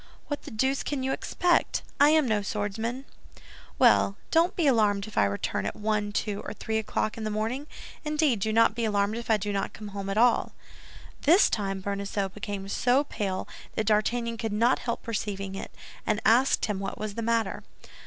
What the deuce can you expect? I am no swordsman." "Well, don't be alarmed if I return at one, two or three o'clock in the morning; indeed, do not be alarmed if I do not come at all." This time Bonacieux became so pale that D'Artagnan could not help perceiving it, and asked him what was the matter.